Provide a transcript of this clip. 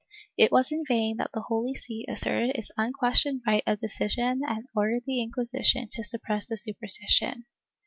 It was in vain that the Holy See asserted its unquestioned right of decision and ordered the Inquisition to suppress the superstition.